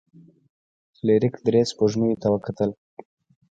فلیریک درې سپوږمیو ته وکتل.